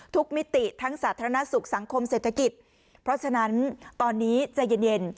มิติทั้งสาธารณสุขสังคมเศรษฐกิจเพราะฉะนั้นตอนนี้ใจเย็น